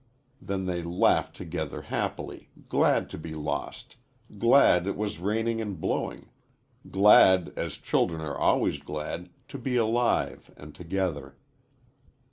Then they laughed together happily, glad to be lost glad it was raining and blowing glad, as children are always glad, to be alive and together.